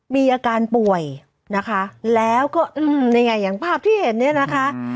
มีอาการป่วยนะคะแล้วก็นี่ไงอย่างภาพที่เห็นเนี่ยนะคะ